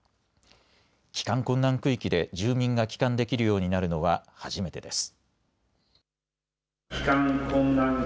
帰還困難区域で住民が帰還できるようになるのは初めてです。